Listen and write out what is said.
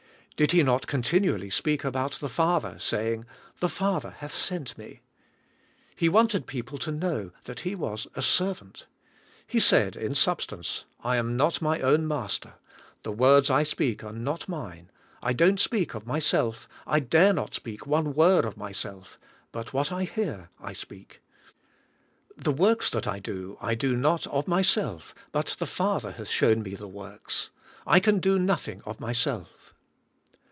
Did He not continually speak about the Father, saying , "The Father hath sent Me." He wanted people to know that He was a servant. He said, in substance, "I am not my own master, the words I speak are not mine, I don't speak of myself, I dare not speak one word of my self, but what I hear I speak. The works that I do I do not of myself, but the Father hath shown Me the works. I can do nothing of myself."